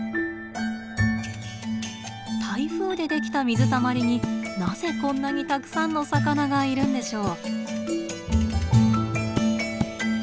台風でできた水たまりになぜこんなにたくさんの魚がいるんでしょう。